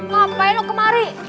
ngapain lo kemari